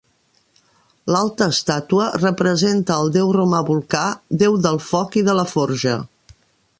L'alta estàtua representa al deu romà Volcà, deu del foc i de la forja.